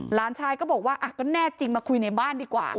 หลานชายก็บอกว่าก็แน่จริงมาคุยในบ้านดีกว่า